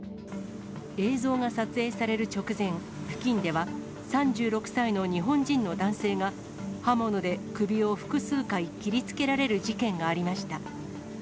映像が撮影される直前、付近では３６歳の日本人の男性が、刃物で首を複数回切りつけられる事件がありました。